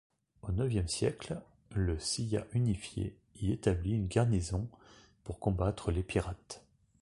Au neuvième siècle, le Silla unifié y établit une garnison pour combattre les pirates.